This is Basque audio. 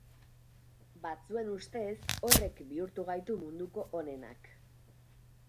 Batzuen ustez horrek bihurtu gaitu munduko onenak.